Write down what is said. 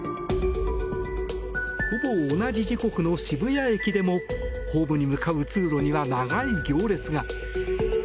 ほぼ同じ時刻の渋谷駅でもホームに向かう通路には長い行列が。